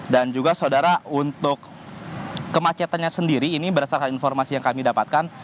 dan juga saudara untuk kemacetannya sendiri ini berdasarkan informasi yang kami dapatkan